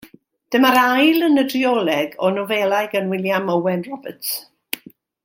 Dyma'r ail yn y drioleg o nofelau gan Wiliam Owen Roberts.